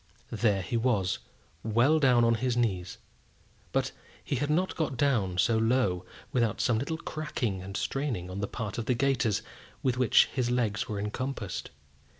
There he was, well down on his knees; but he had not got down so low without some little cracking and straining on the part of the gaiters with which his legs were encompassed.